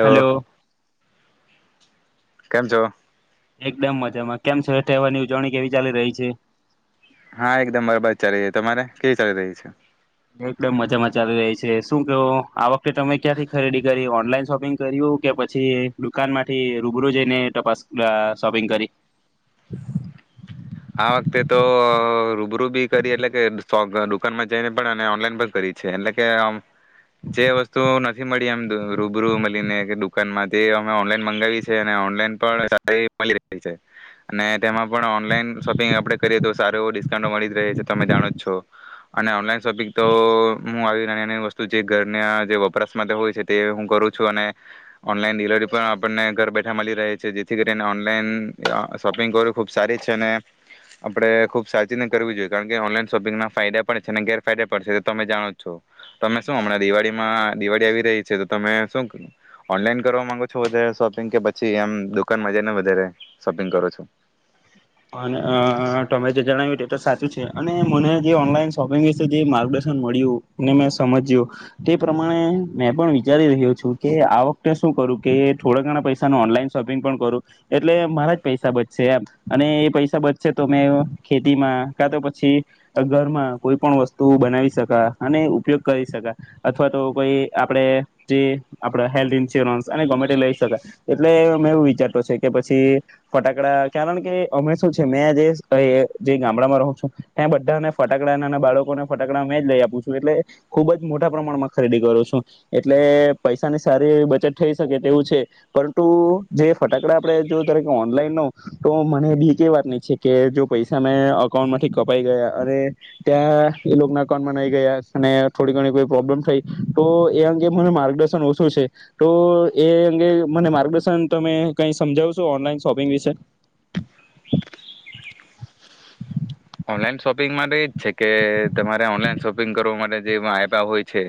Hello. કેમ છો? એકદમ મજામાં કેમ છેઠવાની ઉજવણી કેવી ચાલી રહી છે. હા એકદમ બરાબદ ચાલી રહી છે તમારે કેવી ચાલી રહી છે. દમ મજામાં ચાલી રહી છે શું કેવો આ વખતે તમે ક્યાંથી ખરીદી કરી ઓનલાઈન શોપિંગ કર્યું કે પછી દુકાનમાંથી રૂબરૂ જઈને તપાસ શોપિંગ કરી આ વખતે તો રૂબરૂ બી કરી એટલે કે દુકાનમાં જઈને પણ ઓનલાઈન પણ કરી છે એટલે કે જે વસ્તુ નથી મળી એમ રૂબરૂ મળીને દુકાનમાં તે અમે ઓનલાઈન મંગાવી છે અને ઓનલાઈન પણ છે અને તેમાં પણ ઓનલાઈન શોપિંગ આપડે કરીએ તો સારો એવો ડિસ્કાઉન્ટ મળી જ રહે છે તમે જાણો જ છો અને ઓનલાઈન ભ તો હું નાની નાની વસ્તુ જે ઘરના જે વપરાશ માટે હોય છે તે હું કરું છું અને ઓનલાઈન ડિલિવરી પણ આપણને ઘર મળી રહે છે જેથી કરીને ઓનલાઈન શોપિંગ કરવું ખૂબ સારી છે ને. આપડે ખુબ સાચી કરવી જોઈએ કારણ કે ઓનલાઈન શોપિંગના ફાયદા પણ છે અને ગેરફાયદા પણડ છે તો તમે જાણો જ છો તમે શું હમણાં દિવાળીમાં દિવાળી આવી રહી છે તો તમે શું ઓનલાઈન કરવા માંગો છો વધારે શોપિંગ કે પછી આમ દુકાનમાં જઈને વધારે શોપિંગ કરો છો. અને તમે જે જણાવ્યું તે તો સાચું છે અને મને જે ઓનલાઈન શોપિંગ વિશે જે માર્ગદર્શન મળ્યું, ને મેં સમજ્યું તે પ્રમાણે મેં પણ વિચારી રહ્યો છું કે આ વખતે શું કરું કે થોડા ઘણા પૈસાનું ઓનલાઈન શોપિંગ પણ કરું, એટલે મારા જ પૈસા બચશે એમ. અને એ પૈસા બચશે તો મે ખેતીમાં કા તો પછી ઘરમાં, કોઈ પણ વસ્તુ બનાવી શકા અને ઉપયોગ કરી શકા અથવા તો કોઈ આપડણે જે આપણા હેલ્થ ઇન્સ્યોરન્સ અને ગમે લઈ શકાય, એટલે મેમે એવું વિચારતો છે કે પછી, ફટાકડા કારણ કે અમે શું છે મે જે જે ગામડામાં રહું છું, ત્યાં બધાને ફટાકડા ના બાળકોને ફટાકડા મેં જ લઈ આપું છું એટલે, ખુબ જ મોટા પ્રમાણમાં ખરીદી કરું છું, એટલે પૈસાની સારી બચત થઈ શકે તેવું છે, પરંતુ જે ફટાકડા આપડે જો તરેકે ઓનલાઈન નો. તો મને બી ક વાત હી છે કે જો પૈસા મેં અકાઉન્ટમાંથી કપાઈ ગયા અને, ત્યાં એ લોકોના અકાઉન્ટમાં નહી ગયા અને થોડી ઘણી કોઈ પ્રોબ્લેમ થઈ, તો એ અંગે મને માર્ગદર્શન ઓછું છે, તો એ અંગે મને માર્ગદર્શન તમે કઈ સમજાવશો ઓનલાઈન શોપિંગ વિશે. ઓનલાઈન શોપિંગ માટે એજ છે કે તમારે ઓનલાઈન શોપિંગ કરવા માટે જે એપ હોય છે,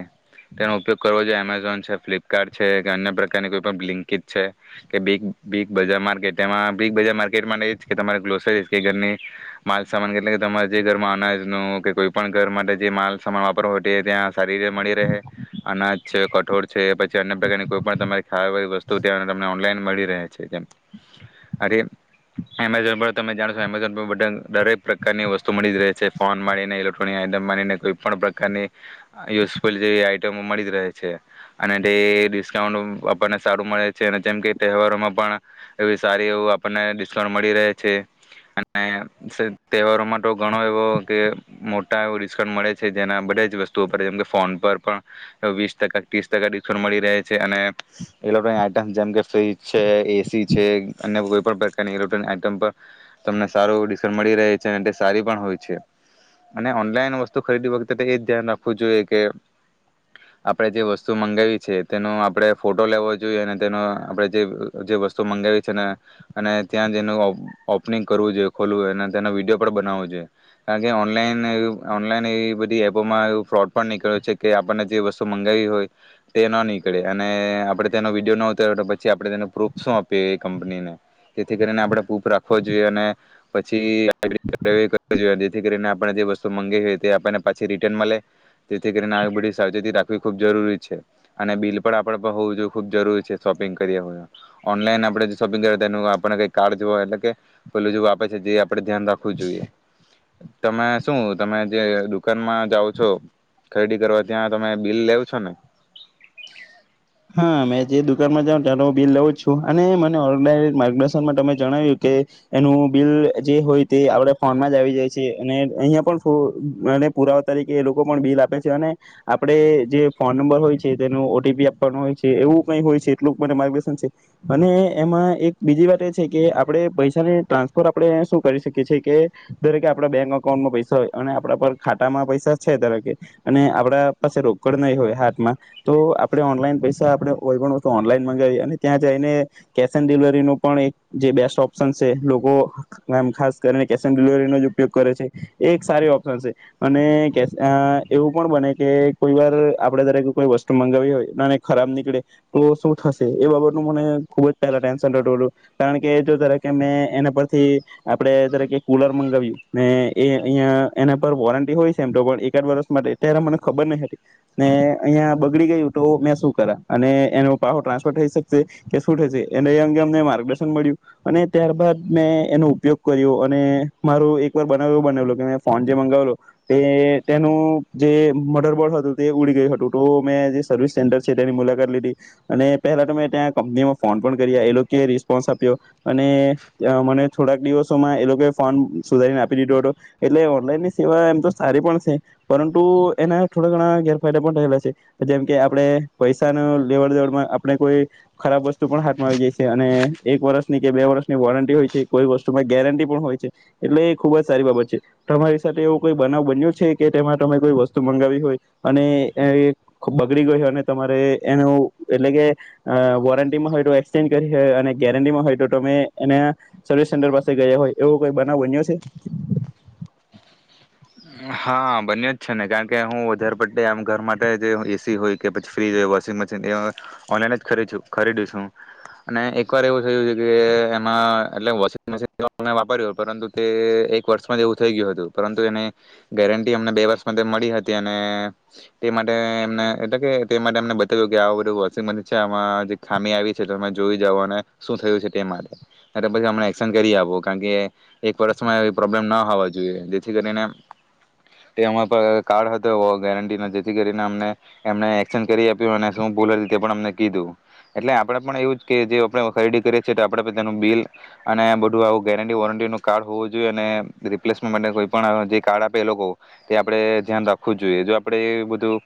તેનો ઉપયોગ કરવો જોઈએ એમેઝોન છે ફ્લિપકાર્ટ છે કે અન્ય પ્રકારની કોઈ પણ લિકજ છે, કે બિગ બજાર માર્કેટ એમાં બિગ બજાર માર્કેટ માટે એજ કે તમારે ગ્લોસરી કે ઘરની, માલ ટ કે તમારે જે ઘરમાં અનાજનું કે કોઈ પણ ઘર માટે જે માલ સમાન વાપરવો હો ત્યાં સારી રીતે મળી રહે, અનાજ છે કઠોળ છે પછી અન્ય પ્રકારની કોઈ પણ તમા ખાવા વસ્તુ ત્યાં તમને ઓનલાઈન મળી રહે છે એમ, આથી એમેઝોન પર તમે જાણો છો એમેઝોન પર બધા દરેક પ્રકારની વસ્તુ મળી જ રહે છે ફોન માનીને ઇલેક્ટ્રોનિક આઈટમ માનીને કોઈ પણ પ્રકારની, યુઝફુલ જેવી આઈટમો મળી જ રહે છે, અને તે ડિસ્કાઉન્ટ આપણને સારું મળે છે અને જેમ કે તહેવારોમાં પણ, એવી સારી એવું આપણને ડિસ્કાઉન્ટ મળી રહે છે, અને તહેવારોમાં તો ઘણો એવો કે મોટા એવો ડિસ્કાઉન્ટ મળે છે જેના બધા જ વસ્તુઓ પર જેમકે ફોન પર પણ, વીસ ટકા ત્રીસ ટકા ડિસ્કાઉન્ટ મળી રહે છે અને, ઇલેક્ટ્રોનિક આઈટમ જેમકે ફ્ર્રીજ છે એસી છે અન્ય કોઈ પણ પ્રકારની ઇલેક્ટ્રોનિક આઈટમ પર, તમને સારું ડિસ્કાઉન્ટ મળી રહે. તે સારી પણ હોય છે, અને ઓનલાઈન વસ્તુ ખરીદી વખતે એ જ ધ્યાન રાખવું જોઈએ કે, આપણે જે વસ્તુ મંગાવી છે તેનો આપણે ફોટો લેવો જોઈએ અને તેનો આપણે જે વસ્તુ મંગાવી છે અને, ત્યાં જેનું ઓપનિંગ કરવું જોઈએ ખોલવું તેનો વિડીયો પણ બનાવવો જોઈએ, કારણ કે ઓનલાઈન ઓનલાઈન એવી બધી એપોમાં એવ ફ્રોડ પણ નીકળ્યો છે કે આપણને જે વસ્તુ મંગાવી હોય, તે ન નીકળે અને આપણે તેનો વિડીયો ન ઉતર્યો પછી આપણે તેને પ્રૂફ શું આપીએ એ કંપનીને, જેથી કરીને આપણે પ્રૂફ રાખવો જોઈએ અને, પછી જેથી કરીને આપણે જે વસ્તુ મગી હોય આપને પાછી રિટર્ન મલે, તેથી કરીને આ બધી સાવચેતી રાખવી ખુબ જરૂરી છે અને બિલ પણ આપડ હોવું જોએ ખુબ જરૂરી છે શોપિંગ કરી ઓનલાઈન આપણે શોપિંગ કર એનું આપણે કઈ કાર્ડ જો એટલે કે પેલું જેવું આપે છે જે આપડે ધ્યાન રાખવું જોઈએ, તમે શું તમે જે દુકાનમાં જાવ છો, ખરીદી કરવા ત્યાં તમે બિલ લેવ છો ને. હા મેં જે દુકાનમાં જાવ ત બિલ લેવું જ છું અને મને ઓ માર્ગદર્શનમાં તમે જણાવ્યું કે, એનું બિલ જે હોય તે આપણે ફોનમાં જ આવી જાય છે અને અહીંયા પણ પુરાવા તરીકે એ લોકો પણ બિલ આપે છે અને, આપડ જે ફોન નંબર હોય છે તેનું ઓ ટી પી હો એવું ક હોય છે એટલું મ માર્ગદર્શન છે, અને એમાં એક બીજી વાત એ છે કે આપડણે પૈસાની ટ્રાન્સફર આપણે શું કરી શકીએ છીએ કે, દરેકે આપણા બેંક અકાઉન્ટમાં પૈસા હોય અને આપણા પર ખાતામાં પૈસા છે દરેકે અને આપડા પાસે રોકડ નહી હોય હાથમાં તો આપણે ઓનલાઈન પૈસા આપણે હોય પણ વસ્તુ ઓનલાઈન મંગાવીએ અને ત્યાં જઈને, કેશ ઓન ડિલિવરીનો પણ એક જે બેસ્ટ ઓપ્શન છે લોકો આમ ખાસ કરીને કેશ ઓન ડિલિવરીનો જ ઉપયોગ કરે છે, એ એક સારી ઓપ્શન છે, અને કે એવું પણ બને કે કોઈ વાર આપણેે દરેક કોઈ વસ્તુ મંગાવવી હોય અને ખરાબ નીકળે, તો શું થશે એ બાબતનું મને ખુબ જ પહેલા ટેન્શન તું હતું, કારણ કે જોરેકે મેં એના પરથી આપડે દરેકે કુલર મંગાવ્યું ને એ અહીં એના પર વોરંટી હોય છે એમ તો પણ એકાદ વર્ષ માટે ત્યારે મને ખબર નહ હતી ને અહિયાં બગડી ગયું તો મેં શું એનો પહો ટ્રાન્સફર થઈ શકશે, કે શું થશે એને એ અંગે અમને માર્ગદર્શન મળ્યું, અને ત્યારબાદ મેં એનો ઉપયોગ કર્યો અને મારો એકવાર બનાવ એવ બનાલો કે મે ફોન જે મંગાવેલો, તે તેનું જે મર્ડરબોર્ડ હતું તે ઉડી ગયું હતું તો મેં જે સર્વિસ સેન્ટર તેની મુલાકાત લીધી, અને પહેલા ત મેમે ત્યાં કંપનીમાં ફોન પણ કર્યા એ લોકો રિસ્પોન્સ આપ્યો, અને મને થોડાક દિવસોમાં એ લોકોએ ફોન સુધારીને આપી દીધો હતો, એટલે ઓનલાઈનની સેવા એમ તો સારી પણ છે, પરંતુ એના થોડા ઘણા ગેરફાયદા પણ થયલા છે, જેમકે આપણે પૈસા ન લેવડ દેવડમાં આપણે કોઈ, ખરાબ વસ્તુ પણ હાથમાં આવી જાય છે અને એક વર્ષની કે બે વર્ષની વોરંટી હોય છે કોઈ વસ્તુમાં ગેરંટી પણ હોય છે, એટલે એ ખુબ જ સારી બાબત છે, તમારી સાથે એવો કોઈ બનાવ બન્યો છે કે તેમાં તમે કોઈ વસ્તુ મંગાવી હોય, અને બગડી ગઈ હોય અને તમારે એનું એટલે કે, વોરંટીમાં હોય તો એક્સચેન્જ કરી હોય અને ગેરંટીમાં હોય તો તમે એના સર્વિસ સેન્ટર પાસે ગયા હોય એવો કોઈ બનાવ બન્યો છે. હા બન્યો જ છે ને કારણકે હું વધારે પડે આમ ઘર માટે જે એ સી હોય કે પછી ફ્રીજ હોય વોશિંગ મશીન એ, ઓનલાઈન જ ખરીું ખરીદ્યું છું અને એકવાર એવું થયું હતું કે એમાં એટલે વોશિંગ મશીન વાપર્યું હો પરંતુ તે એક વર્ષમાં જ એવું થઈ ગયું હતું પરંતુ એને ગેરંટી અમને બે વર્ષમાં મળી હતી અને, તે માટે એમને એટલે કે તે માટે મને બતાવ્યું કે આ બધું વોચિંગ છે આ જે ખામી આવી છે તમે જોઈ જાવ અને શું થયું છે તે માટે પછી અમને એક્શન કરી આપો કારણ કે, એક વર્ષમાં પ્રોબ્લેમ ના હોવા જોઈએ જેથી કરીને તે અ કાર્ડ હતો ગેરંટીનો જેથી કરીને અને એમને, એક્ચન્ કરી આપ્યું અને શ બોલે તે પણ અમને કીધું, એટલે આપડે પણ એવું કે જે આપડ ખરીદી કરીએ છેએ તો આપડ તેનું બિલ, અને બધું આવું ગેરંટી વોરંટીનું કાર્ડ હોવું જોઈએ અને રિપ્લેસમેન્ટ માટે કોઈ પણ તે આપડે ધ્યાન રાખવું જ જોઈએ જો આપડે એ બધું,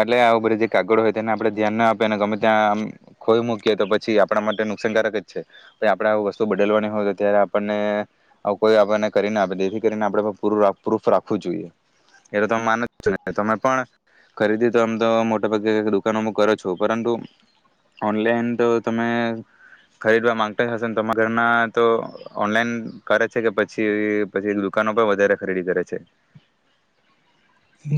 એટલે આું બધ જે કાગળ હોય તેને આપણે ધ્યાન ના આપે અને ગમે ત્યાં આ ખોઈ મૂકીએ તો પછી આપણા માટે નુકસાનકારક જ છે, આપણેે વસ્તુ બદલવાની હોય તો ત્યારે આપણને, કોઈ આપણને કરી ના આપે જેથી કરીને આપણેે પૂરું પ્રૂફ રાખવું જોઈએ, એ તો તમે માન છો ને તમે પણ, ખરીદી તો આમ તો મોટા ભાગે દુકાનોમાં કરો છો પરંતુ, ઓનલાઈન તો તમે, ખરીદવા માંગતા હશેને તમારા ઘરમાં તો ઓનલાઈન કરે છે કે પછી પછી દુકાનો પણ વધારે ખરીદી કરે છે.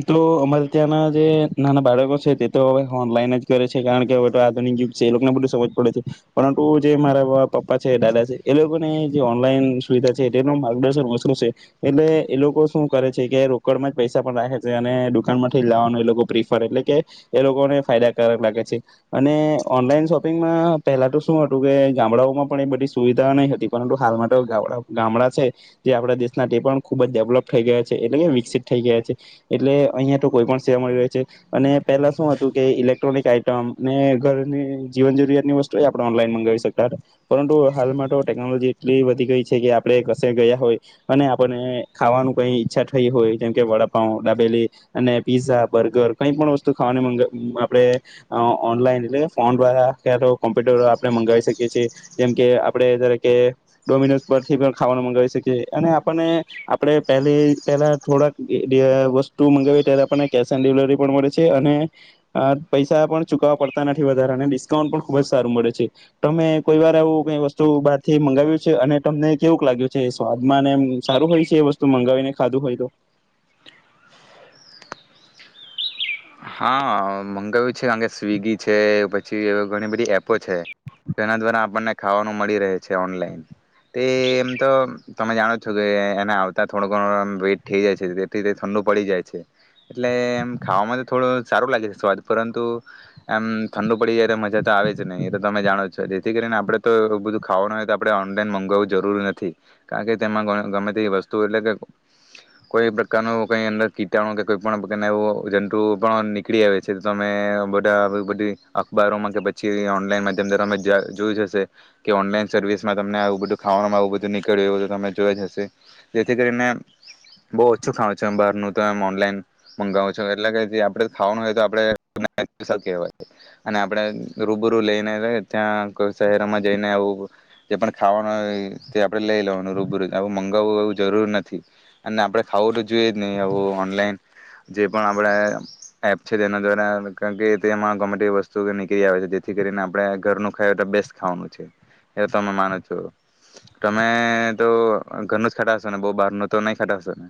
તો અમારે ત્યાંના જે નાના બાળકો છે તે તો હવે ઓનલાઈન જ કરે છે કારણ કે હવે તો આધુનિક યુગ છે એ લોકોને બધું સમજ પડે છે, પરંતુ જે મારા પપ્પા છે દાદા છે એ લોકોને જે ઓનલાઈન સુવિધા છે તેનું માર્ગદર્શન ઓછું છે, એટલે એ લોકો શું કરે છે કે રોકડ માં જ પૈસા રાખે છે અને દુકાનમાંથી લાવવાનું એ લોકો પ્રિફર એટલે કે, એ લોકોને ફાયદાકારક લાગે છે, અને ઓનલાઈન શોપિંગમાં પહેલા તો શું હતું કે ગામડાઓમાં પણ એ બધી સુવિધા નહી હતી પરંતુ હાલ માટે ગામડા છે, જે આપડા દેશના તે પણ ખુબ જ ડેવલપ થઈ ગયા છે એટલે કે વિકસિત થઈ ગયા છે. એટલે અહીંયા તો કોઈ પણ સેવા મળી ર છે, અને પહેલા શું હતું કે ઇલેક્ટ્રોનિક આઈટમ અને ઘરની જીવન જરૂરિયાતની વસ્તુ આપણે ઓનલાઈન મગાવી શકતા હતા, પરંતુ હાલમાં તો ટેકનોલોજી એટલી વધી ગઈ છે કે આપણે કશે ગયા હોય, અને આપને ખાવાનું કઈ ઈચ્છા થઈ હોય જેમકે વડા પાવ, ડાબેલી અને પીઝા બર્ગર કઈ પણ વસ્તુ ખાવાની આપે ઓનલાઈન એટલે ફોન દ્વારા તો કોમ્પ્યુટર આપણે મંગાવી શકીએ છીએ, જેમ કે આપડણે કે ડોમિનોસ પરથી પણ ખાવાનું મગાવી શકી અને આપણને આપણે પેલી પેલા થોડાક વસ્તુ મંગાવી ત્યારે આપણને કેશ ઓન ડિલવરી પણ મળે છે અને, પૈસા પણ ચુકવવા પડતા નથી વધારે ડિસ્કાઉન્ટ પણ ખુબ જ સારું મળે છે, તમે કોઈ વાર આવું કઈ વસ્તુ બહારથી મંગાવ્યું છે અને તમને કેવું લાગ્યું છે સ્વાદમાં અને સારું હોય છે એ વસ્તુ મંગાવીને ખાધું હોય તો. હા મંગાવ્યું છે કારણ કે સ્વિગી છે પછી ઘણી બધી એપો છે, તો એના દ્વારા આપણને ખાવાનું મળી રહે છે ઓનલાઈન, તે એમ તો તમે જાણો છો કે એને આવતા થોડો ઘણો વેઇટ થઈ જાય છે તેથી તે ઠંડુ પડી જાય છે, એટલે એમ ખાવામાં તો થોડું સારું લાગે છે સ્વાદ પરંતુ, એમ ઠંડુ પડી જાય તો મજા તો આવે જ નહી એ તો તમે જાણો છો જેથી કરીને આપણે તો એ બધું ખાવાનું હોય તો આપણે ઓનલાઈન મગાવવું જરૂરી નથી, કારણ કે તેમાં ગમે તે વસ્તુ એટલે કે કોઈ પ્રકારનું કઈ અર કીટાણુ કે કોઈ પણ એવો પણ નીકળી આવે છે તો તમે બધા બધી અખબારોમાં કે પછી ઓનલાઈન માધ્યમમે જોયું જશે, કે ઓનલાઈન સર્વિસમાં તમને આવું બધું ખાવામાં આવું બધું નીકળ્યું એ તો તમે જોયા જ હશે, જેથી કરીને બહુ ઓછું ખાવ છ બહારનું તો એ ઓનલાઈન મંગાવો છો એટલે કે આપણેે ખાવાનું હોય તો આપણે કહેવાય અને આપણે રૂબરૂુ લઈને ત્યાંઈ શહેરમાં જઈને આવું જે પણ ખાવાનું હોય લેય લેવાનું રબર જ એવું મંગ માંગવું એવું જરૂર નથી, અને આપણે ખાવું તો જોઈએ જ નહીં આવું ઓનલાઈન, જે પણ આપણે- એપ છે તેના દ્વારા કારણ કે તેમાં ગમે તેવી વસ્તુ નીકળી આવે છે જેથી કરીને આપણે ઘરનું ખાયટ બેસ્ટ ખાવાનું છે, એ તમે માનો છો, તમે તો ઘરનું જ ખટાશો ને બહ બહાર ન તો નહી ખટાશો ને?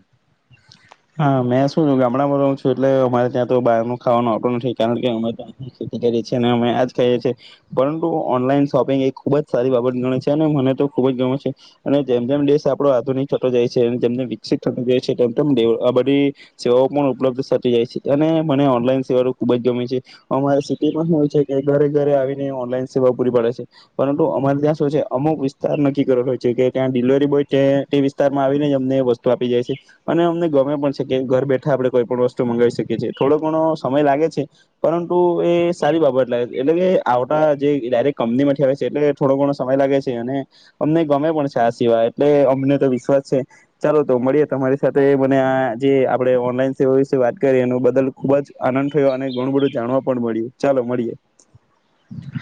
હા મેં શું ગામડામાં રહું છું એટલે અમારે ત્યાં તો બહાર ન ખાવાનો આપડો નથી કારણ કે અમે ખેતી કરીએ છીએ અને અમે આ જ ખાઈએ છીએ, પરંતુ ઓનલાઈન શોપિંગ એ ખુબ જ સારી બાબત ગમે છે અને મને તો ખુબ જ ગમે છે, અને જેમ જેમ ડેશ આપડો આધુનિક થતો જાય છે જેમ જે વિકિત થતો જાય છે તેમ તેમ આ બધી સેવાઓ પણ ઉપલબ્ધ થતી જાય છે અને મને ઓનલાઈન સેવાઓ ખૂબ જ ગમે છે અમારે સિટીમાં શું છે કે ઘરે ઘરે આવીને ઓનલાઈન સેવા પૂરી પાડે છે પરંતુ અમારે ત્યાં શું છે અમુક વિસ્તાર નક્કી કરલો હો છે કે ત્યાં ડિલિવરી બોય તે વિસ્તારમાં આવીને જ અમને વસ્તુ આપી જાય છે અને અમને ઘર બેઠા આપડે કોઈ પણ વસ્તુ મંગાવી શકીએ છીએ થોડો ઘણો સમય લાગે છે, પરંતુ એ સારી બાબત લાગે છે એટલે કે આવતા જે ડાયરેક્ટ કંપની માંથી આવે છે એટલે થોડો ઘણો સમય લાગે છે અને, અમને ગમે પણ છે આ સિવાય એટલે અમને તો વિશ્વાસ છે, ચાલો તો મળીએ તમારી સાથે અને આ જે આપણે ઓનલાઈન સેવા વિશે વાત કરીએ એનું બદલ ખુબ જ આનંદ થયો અને ઘણું બધું જાણવા પણ મળ્યું ચાલો મળીએ.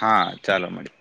હા ચાલો મળીએ.